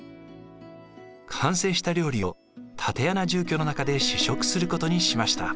完成した料理を竪穴住居の中で試食することにしました。